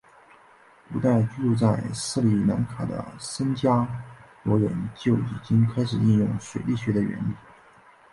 古代居住在斯里兰卡的僧伽罗人就已经开始应用水力学的原理。